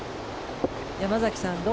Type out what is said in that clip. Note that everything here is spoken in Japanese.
山崎さん